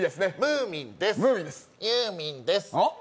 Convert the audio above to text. ユーミンですはっ？